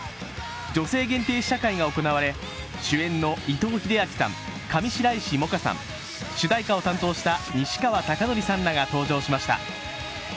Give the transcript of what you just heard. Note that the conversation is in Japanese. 女性限定試写会が行われ、主演の伊藤英明さん、上白石萌歌さん、主題歌を担当した西川貴教さんらが登場しました。